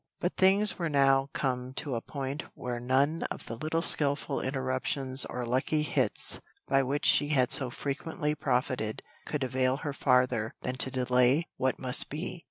But things were now come to a point where none of the little skilful interruptions or lucky hits, by which she had so frequently profited, could avail her farther than to delay what must be.